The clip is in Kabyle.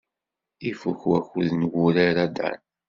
Ifuk wakud n wurar a Dan.